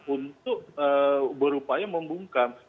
untuk berupaya membungkam